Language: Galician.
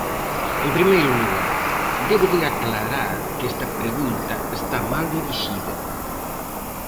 En primeiro lugar, debo de aclarar que esta pregunta está mal dirixida.